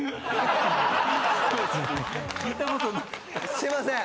すいません！